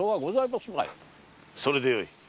それでよい。